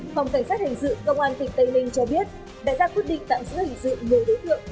phòng cảnh sát hành dự công an tỉnh tây ninh cho biết đại gia quyết định tạm giữ hành dự người đối tượng